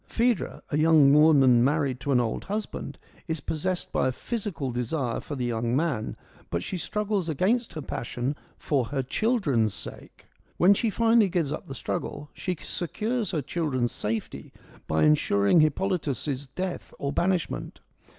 Phaedra, a young woman married to an old husband, is possessed by a physical desire for the young man, but she struggles against her passion for her children's sake. When she finally gives up the struggle, she secures her children's safety by ensuring Hippolytus' death or banishment.